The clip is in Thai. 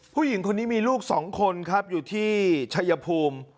ผู้หญิงคนนี้มีลูก๒คนครับอยู่ที่ชัยภูมิ